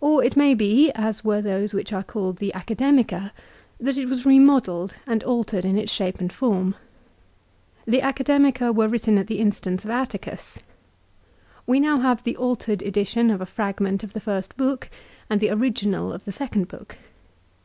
Or it may be, as were those which are called the Academica, that it was remodelled, and altered in its shape and form. The Academica were written at the instance of Atticus. We now have the altered edition of a fragment of the first book, and the original of the second book.